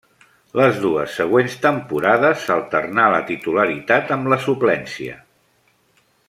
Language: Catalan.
Les dues següents temporades s'alternà la titularitat amb la suplència.